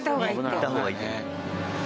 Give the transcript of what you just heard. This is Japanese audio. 行った方がいい。